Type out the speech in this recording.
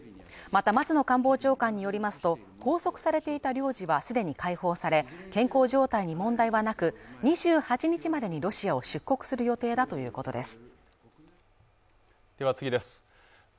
また松野官房長官によりますと拘束されていた領事はすでに解放され健康状態に問題はなく２８日までにロシアを出国する予定だということです